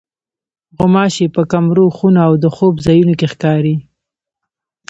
غوماشې په کمرو، خونو او د خوب ځایونو کې ښکاري.